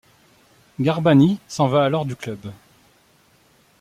Garbani s'en va alors du club.